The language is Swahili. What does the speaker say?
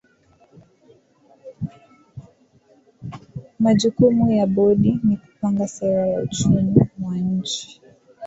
majukumu ya bodi ni kupanga sera ya uchumi wa nchi